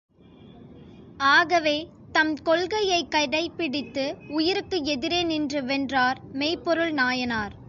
ஆகவே தம் கொள்கையைக் கடைப்பிடித்து உயிருக்கு எதிரே நின்று வென்றார், மெய்ப் பொருள் நாயனார்.